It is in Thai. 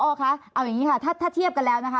คะเอาอย่างนี้ค่ะถ้าเทียบกันแล้วนะคะ